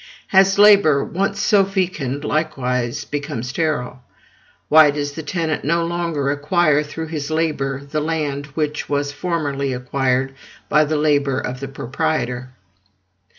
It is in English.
Has labor, once so fecund, likewise become sterile? Why does the tenant no longer acquire through his labor the land which was formerly acquired by the labor of the proprietor?